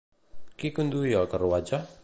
Qui conduïa el carruatge?